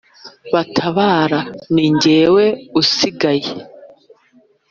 batabara n’injjyewe usigaye"